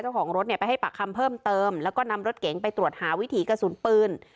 เจ้าของรถเนี่ยไปให้ปากคำเพิ่มเติมแล้วก็นำรถเก๋งไปตรวจหาวิถีกระสุนปืน